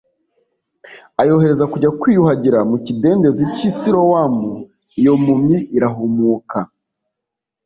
ayohereza kujya kwiyuhagira mu kidendezi cy'i Silowamu, iyo mpumyi irahumuka.